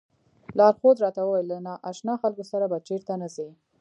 لارښود راته وویل له نا اشنا خلکو سره به چېرته نه ځئ.